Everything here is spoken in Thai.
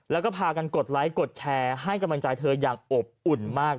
แล้วก็พากันกดไลค์กดแชร์ให้กำลังใจเธออย่างอบอุ่นมาก